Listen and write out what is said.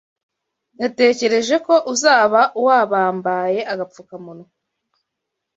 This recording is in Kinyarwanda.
Natekereje ko uzaba wabambaye agapfukamunwa